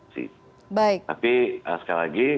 tapi sekali lagi